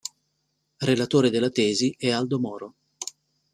Relatore della tesi è Aldo Moro.